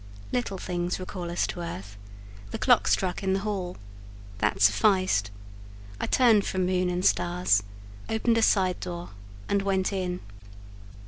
Little things recall us to earth; the clock struck in the hall; that sufficed; I turned from moon and stars, opened a side door, and went in.